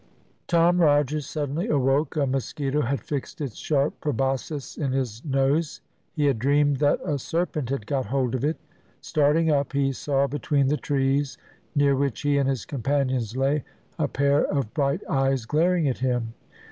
Tom Rogers suddenly awoke; a mosquito had fixed its sharp proboscis in his nose. He had dreamed that a serpent had got hold of it. Starting up, he saw, between the trees near which he and his companions lay, a pair of bright eyes glaring at him.